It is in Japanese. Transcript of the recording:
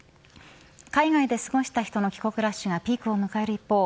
海外で過ごした人の帰国ラッシュがピークを迎える一方